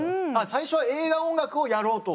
最初は映画音楽をやろうと？